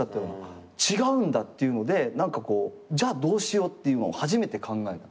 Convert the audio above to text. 違うんだっていうので何かこうじゃあどうしようっていうのを初めて考えた。